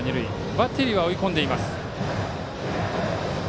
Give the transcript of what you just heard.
バッテリーは追い込んでいます。